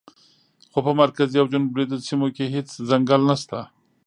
خو په مرکزي او جنوب لویدیځو سیمو کې هېڅ ځنګل نشته.